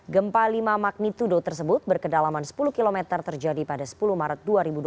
gempa lima magnitudo tersebut berkedalaman sepuluh km terjadi pada sepuluh maret dua ribu dua puluh